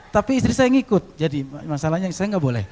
tapi istri saya yang ikut jadi masalahnya istri saya nggak boleh